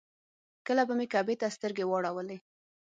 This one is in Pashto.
کله به مې کعبې ته سترګې واړولې.